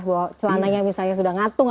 bahwa celananya sudah ngatung